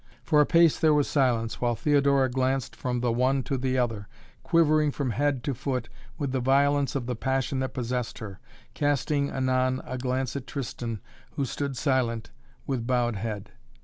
For apace there was silence, while Theodora glanced from the one to the other, quivering from head to foot with the violence of the passion that possessed her, casting anon a glance at Tristan who stood silent, with bowed head.